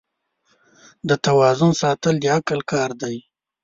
د توازن ساتل د عقل کار دی.